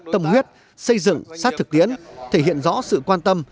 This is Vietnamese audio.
tâm huyết xây dựng sát thực tiễn thể hiện rõ sự quan tâm